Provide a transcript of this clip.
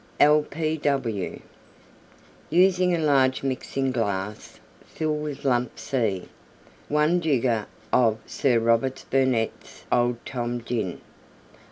L.P.W. Use a large Mixing glass. Fill with Lump See. 1 jigger of Sir Robert Burnette's Old Tom Gin.